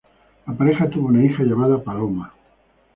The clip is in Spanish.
La pareja tuvo una hija llamada Paloma.